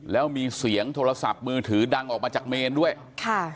แล้วมีเสียงโทรศัพท์มือถือดังออกมาจากเมนด้วยค่ะ